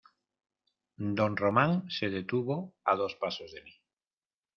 Don román se detuvo a dos pasos de mí.